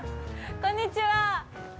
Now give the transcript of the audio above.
こんにちは！